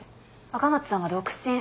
赤松さんは独身。